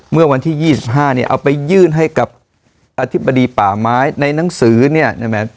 เมื่อวันที่๒๕เนี่ยเอาไปยื่นให้กับอธิบดีป่าไม้ในหนังสือเนี่ยใช่ไหม